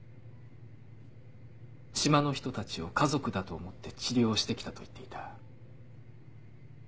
島の人たちを家族だと思って治療してきたと言っていた。